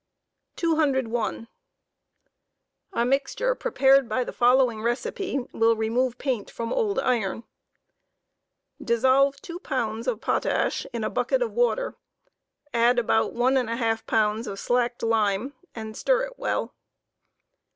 I 201, A mixture prepared by the following recipe will remove paint from old iron: 5 Dissolve two pounds of potash in a bneket of water, add about one and a half pounds of slacked lime, and stir it well.